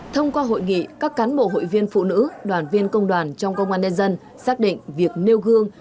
thông qua hội nghị các cán bộ hội viên phụ nữ đoàn viên công đoàn trong công an nhân dân xác định việc nêu gương